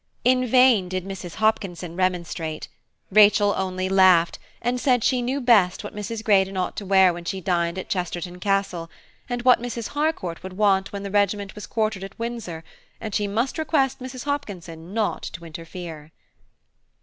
In vain did Mrs. Hopkinson remonstrate; Rachel only laughed, and she said she knew best what Mrs. Greydon ought to wear when she dined at Chesterton Castle, and what Mrs. Harcourt would want when the regiment was quartered at Windsor, and she must request Mrs. Hopkinson not to interfere.